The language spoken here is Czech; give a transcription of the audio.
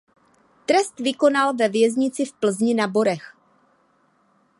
Trest vykonal ve věznici v Plzni na Borech.